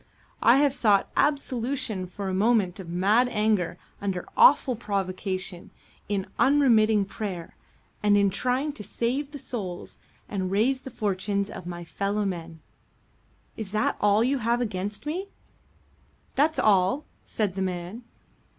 I have sought absolution for a moment of mad anger under awful provocation in unremitting prayer and in trying to save the souls and raise the fortunes of my fellow men. Is that all you have against me?" "That's all," said the man.